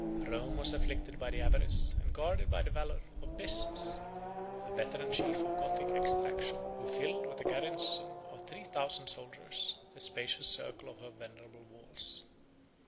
Rome was afflicted by the avarice, and guarded by the valor, of Bessas, a veteran chief of Gothic extraction, who filled, with a garrison of three thousand soldiers, the spacious circle of her venerable walls.